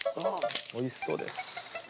おいしそうです。